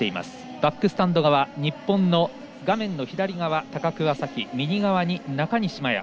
バックスタンド側日本の画面の左側、高桑早生右側に中西麻耶。